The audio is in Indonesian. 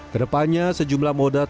kedepannya sejumlah moda transportasi